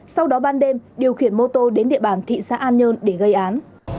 sau đó ban đêm điều khiển mô tô đến địa bàn thị xã an nhơn để gây án